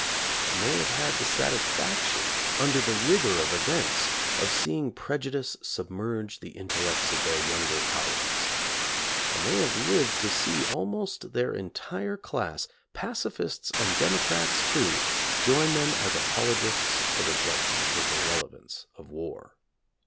And they have had the satisfac tion, under the rigor of events, of seeing prejudice submerge the intellects of their younger colleagues. And they have lived to see almost their entire class, pacifists and democrats too, join them as apologists for the "gigantic irrelevance" of war.